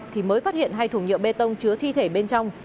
thì mới phát hiện hai thùng nhựa bê tông chứa thi thể bên trong